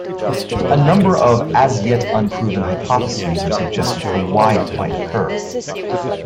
A number of, as yet unproven, hypotheses are suggested for why it might occur.